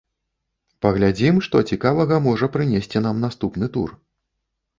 Паглядзім, што цікавага можа прынесці нам наступны тур.